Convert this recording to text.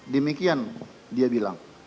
demikian dia bilang